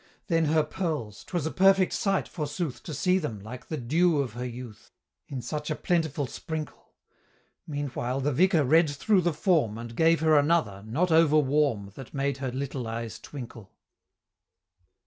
Then her pearls 'twas a perfect sight, forsooth, To see them, like "the dew of her youth," In such a plentiful sprinkle. Meanwhile, the Vicar read through the form, And gave her another, not overwarm, That made her little eyes twinkle.